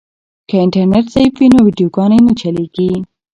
که انټرنیټ ضعیف وي نو ویډیوګانې نه چلیږي.